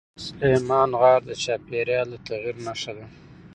سلیمان غر د چاپېریال د تغیر نښه ده.